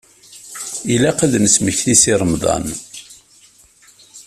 Ilaq ad nesmekti Si Remḍan.